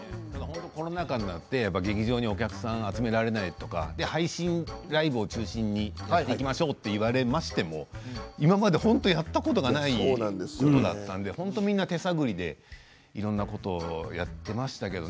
コロナ禍になって劇場にお客さんを集められないというか配信ライブを中心にいきましょうと言われましても、今まで本当にやったことがないことだったんで本当にみんな手探りでいろいろなことをやっていましたけれど。